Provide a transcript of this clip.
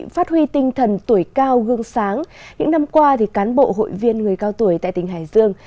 phát huy tinh thần tuổi cao gương sáng những năm qua cán bộ hội viên người cao tuổi tại tỉnh hải dương